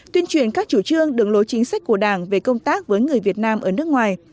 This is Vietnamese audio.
tuyên truyền các chủ trương đường lối chính sách của đảng về công tác với người việt nam ở nước ngoài